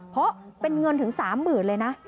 เพราะเป็นเงินถึง๓๐๐๐เลยนะ